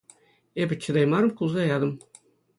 Эпӗ чӑтаймарӑм, кулса ятӑм.